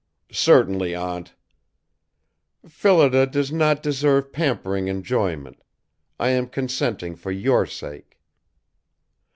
"Certainly, Aunt." "Phillida does not deserve pampering enjoyment. I am consenting for your sake."